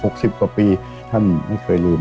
สิบกว่าปีท่านไม่เคยลืม